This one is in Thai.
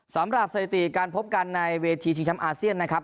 สำหรับสยติการพบกันในเวทีชิงช้ำอาเซียนนะครับ